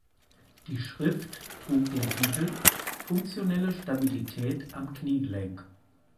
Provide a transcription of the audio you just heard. Die Schrift trug den Titel „Funktionelle Stabilität am Kniegelenk“.